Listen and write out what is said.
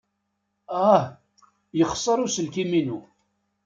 Ah! Yexṣer uselkim-inu.